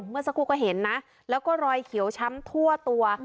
เมื่อสักครู่ก็เห็นนะแล้วก็รอยเขียวช้ำทั่วตัว